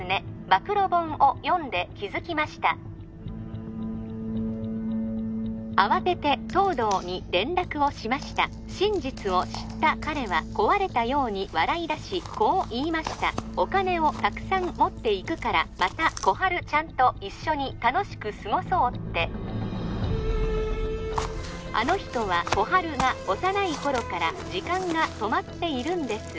暴露本を読んで気づきました慌てて東堂に連絡をしました真実を知った彼は壊れたように笑いだしこう言いましたお金をたくさん持っていくからまた心春ちゃんと一緒に楽しく過ごそうってあの人は心春が幼い頃から時間が止まっているんです